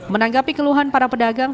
menanggapi keluhan para pedagang